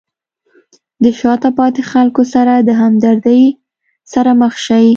د شاته پاتې خلکو سره د همدردۍ سره مخ شئ.